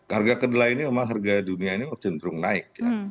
harga kedelai ini memang harga dunia ini cenderung naik